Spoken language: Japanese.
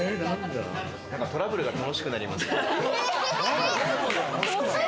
トラブルが楽しくなります。